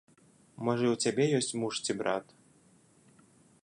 Можа і ў цябе ёсць муж ці брат.